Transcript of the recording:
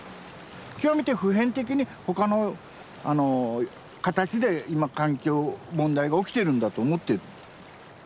極めて普遍的に他の形で今環境問題が起きてるんだと思ってる。